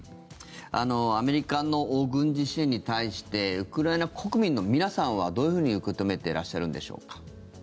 アメリカの軍事支援に対してウクライナ国民の皆さんはどういうふうに受け止めてらっしゃるんでしょうか？